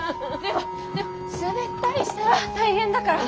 でも滑ったりしたら大変だから。